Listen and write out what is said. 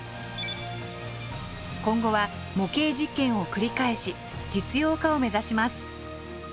今後は模型実験を繰り返し実用化を目指します。